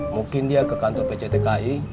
mungkin dia ke kantor pctki